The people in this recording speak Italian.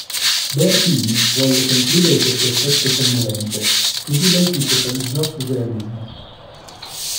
Bertini volle concludere questo effetto commovente, così lei si focalizzò sul realismo.